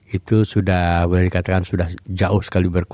itu sudah boleh dikatakan sudah jauh sekali berkurang